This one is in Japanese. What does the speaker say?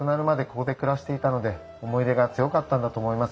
ここで暮らしていたので思い入れが強かったんだと思いますよ。